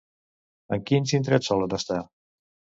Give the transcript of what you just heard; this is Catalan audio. En quins indrets solen estar?